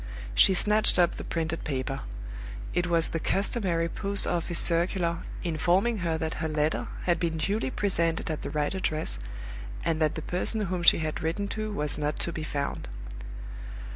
She snatched up the printed paper. It was the customary Post office circular, informing her that her letter had been duly presented at the right address, and that the person whom she had written to was not to be found.